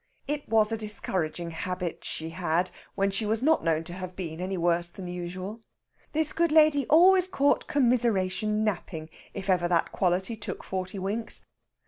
It was a discouraging habit she had, when she was not known to have been any worse than usual. This good lady always caught Commiseration napping, if ever that quality took forty winks.